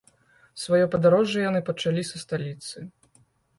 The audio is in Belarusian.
Сваё падарожжа яны пачалі са сталіцы.